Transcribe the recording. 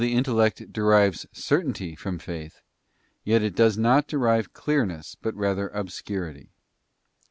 intellect derives certainty from Faith, yet it does not derive clearness but rather obscurity.